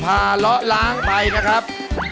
พาล้อล้างไปนะครับ